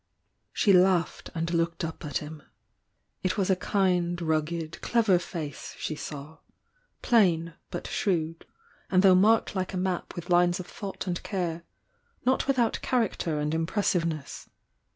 She laughed, and looked up at him. It was a kind, rugged, clever face she saw — plain, but shrewd, and though marked like a map with lines of thought and care, not without character and impressiveness.